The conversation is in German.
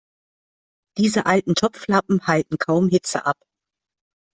Diese alten Topflappen halten kaum Hitze ab.